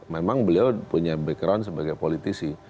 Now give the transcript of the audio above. memang beliau punya background sebagai politisi